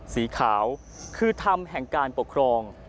สีขาวคือธรรมแห่งการปกครอง